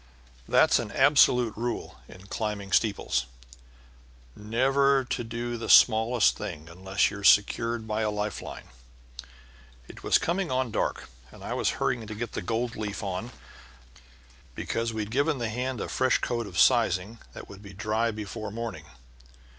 That's an absolute rule in climbing steeples never to do the smallest thing unless you're secured by a life line. It was coming on dark, and I was hurrying to get the gold leaf on, because we'd given the hand a fresh coat of sizing that would be dry before morning.